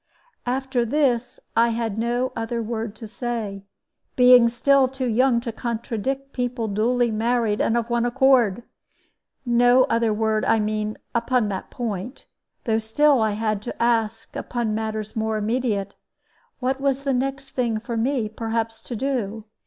After this I had no other word to say, being still too young to contradict people duly married and of one accord. No other word, I mean, upon that point; though still I had to ask, upon matters more immediate, what was the next thing for me, perhaps, to do.